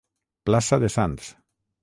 Plaça de Sants.